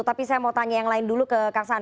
tapi saya mau tanya yang lain dulu ke kang saan